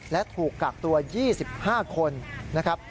และถูกกักตัว๒๕คนนะครับ